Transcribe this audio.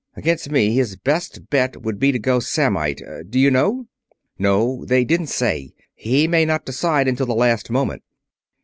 Against me his best bet would be to go Samnite. Do you know?" "No. They didn't say. He may not decide until the last moment."